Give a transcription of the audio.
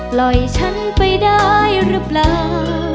ปล่อยฉันไปได้รึเปล่า